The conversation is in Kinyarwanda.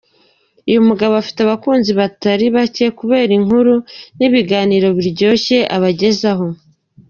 Uyu mugabo afite abakunzi batari bake, kubera inkuru n’ibiganiro biryoshye abagezaho.